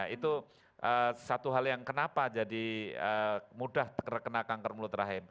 itu satu hal yang kenapa jadi mudah terkena kanker mulut rahim